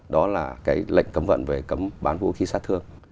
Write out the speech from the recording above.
đó là cái lệnh cấm vận về cấm bán vũ khí sát thương